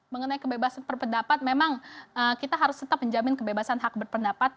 mengenai kebebasan berpendapat memang kita harus tetap menjamin kebebasan hak berpendapat